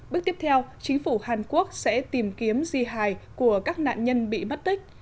bước tiếp theo chính phủ hàn quốc sẽ tìm kiếm di hài của các nạn nhân bị mất tích